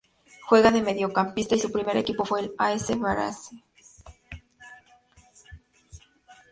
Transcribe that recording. Juega de mediocampista y su primer equipo fue el A. S. Varese.